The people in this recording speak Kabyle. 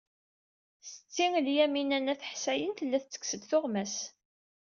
Setti Lyamina n At Ḥsayen tella tettekkes-d tuɣmas.